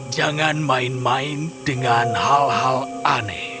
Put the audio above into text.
jangan main main dengan hal hal aneh